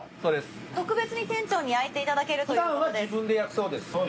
特別に店長に焼いていただけるというコトです。